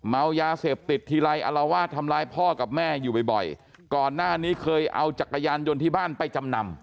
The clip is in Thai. เมายาเสพติดทีไรอรวาสทำร้ายพ่อกับแม่อยู่บ่อยก่อนหน้านี้เคยเอาจักรยานยนต์ที่บ้านไปจำนำ